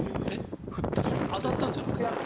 当たったんじゃなくて？